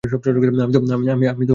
আমি তো আর এসব জানি না।